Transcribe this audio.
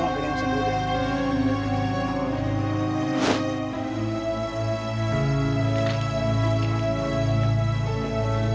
sepertinya suaranya dari atas